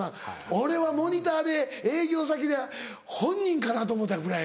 俺はモニターで営業先で「本人かな？」と思うたぐらい。